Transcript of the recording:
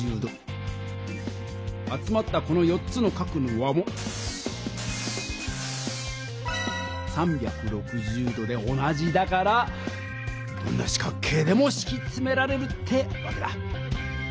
集まったこの４つの角の和も３６０度で同じだからどんな四角形でもしきつめられるってわけだ。